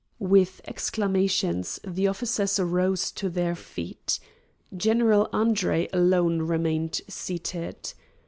With exclamations, the officers rose to their feet. General Andre alone remained seated.